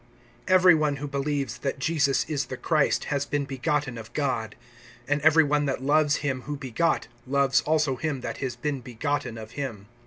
EVERY one who believes that Jesus is the Christ has been begotten of God; and every one that loves him who begot, loves also him that has been begotten of him.